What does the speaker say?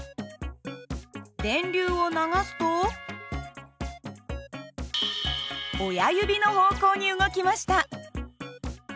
電流を流すと親指の方向に動きました。